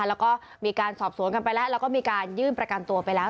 แล้วก็มีการสอบสวนกันไปแล้วแล้วก็มีการยื่นประกันตัวไปแล้ว